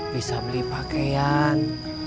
bisa beli pakaian